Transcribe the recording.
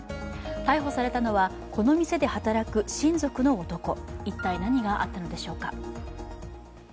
逮捕されたのはこの店で働く親族の男、一体何があったのでしょうか。